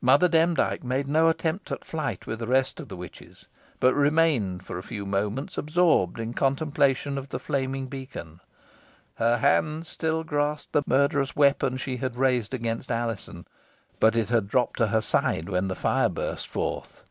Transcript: Mother Demdike made no attempt at flight with the rest of the witches, but remained for a few moments absorbed in contemplation of the flaming beacon. Her hand still grasped the murderous weapon she had raised against Alizon, but it had dropped to her side when the fire burst forth.